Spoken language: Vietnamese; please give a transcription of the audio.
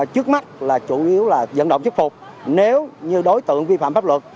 trước mắt là chủ yếu là dẫn động chức phục nếu như đối tượng vi phạm pháp luật